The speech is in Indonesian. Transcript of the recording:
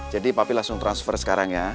jadi papi langsung transfer sekarang ya